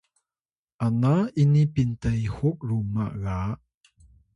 ana ini pintehuk ruma ga